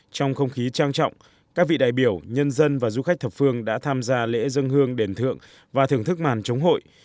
trong không khí trang trọng các vị đại biểu nhân dân và du khách thập phương đã tham gia lễ dân hương đền thượng và thưởng thức màn chống hội